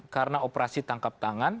karena operasi tangkap tangan